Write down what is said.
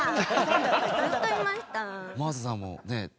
ずっといました。